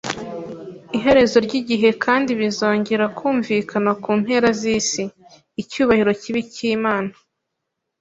iherezo ry’igihe kandi bizongera kumvikana ku mpera z’isi. Icyubahiro kibe icy’Imana,